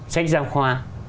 sách giáo khoa